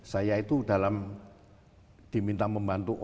saya itu dalam diminta membantu orang tua